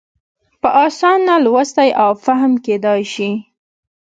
په اسانه لوستی او فهم کېدای شي.